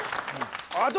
あと